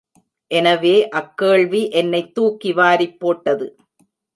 எனவே அக் கேள்வி என்னைத் தூக்கி வாரிப் போட்டது.